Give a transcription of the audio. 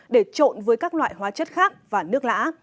để trộn với các loại hóa chất khác và nước lã